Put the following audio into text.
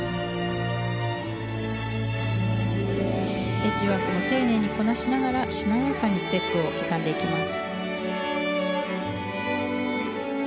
エッジワークも丁寧にこなしながらしなやかにステップを刻んでいきます。